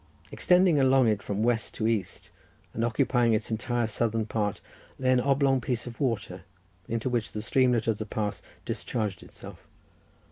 Extending along it from west to east, and occupying its entire southern part, lay an oblong piece of water, into which the streamlet of the pass discharged itself.